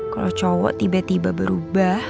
kalau cowok tiba tiba berubah